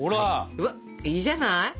うわっいいじゃない？